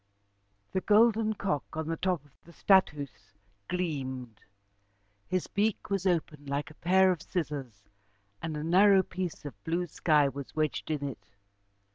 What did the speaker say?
The golden cock on the top of the 'Stadhuis' gleamed. His beak was open like a pair of scissors and a narrow piece of blue sky was wedged in it.